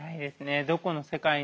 どこの世界にも。